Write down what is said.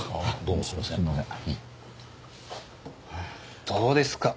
どうですか？